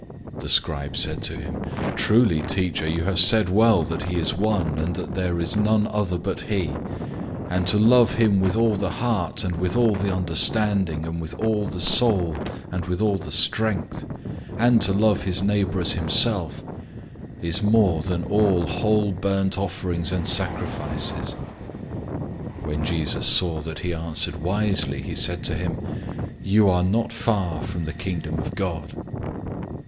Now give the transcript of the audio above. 012:032 The scribe said to him, "Truly, teacher, you have said well that he is one, and there is none other but he, 012:033 and to love him with all the heart, and with all the understanding, with all the soul, and with all the strength, and to love his neighbor as himself, is more important than all whole burnt offerings and sacrifices." 012:034 When Jesus saw that he answered wisely, he said to him, "You are not far from the Kingdom of God."